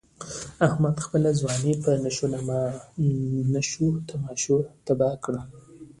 احمد خپله ځواني په نشو تماشو تباه کړ.